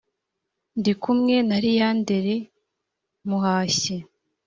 Ndi kumwe na Liyanderi Muhashyi.